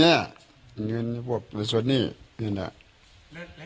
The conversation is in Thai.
แล้วอีกโครตที่บอกว่าให้คอนเป็นนาคารอะไร